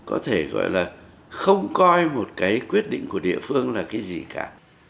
có thể gọi là không coi một cái quyết định của địa phương là cái gì cả